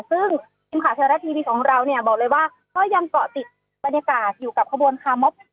ซึ่งที่ของเราเนี่ยบอกเลยว่าก็ยังเกาะติดบรรยากาศอยู่กับขบวนคาร์มอฟ